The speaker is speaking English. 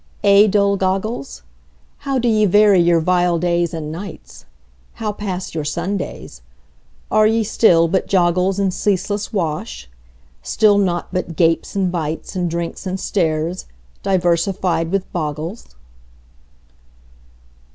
eh, dull goggles? How do ye vary your vile days and nights? How pass your Sundays? Are ye still but joggles In ceaseless wash? Still naught but gapes and bites, And drinks and stares, diversified with boggles?